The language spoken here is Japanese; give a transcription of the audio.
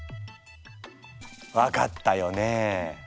分かったよね？